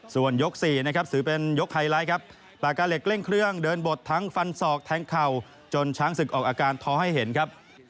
ส่วนยก๔นะครับถือเป็นยกไฮไลท์ครับปากกาเหล็กเร่งเครื่องเดินบดทั้งฟันศอกแทงเข่าจนช้างศึกออกอาการท้อให้เห็นครับ